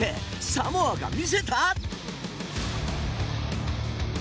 サモアが見せた。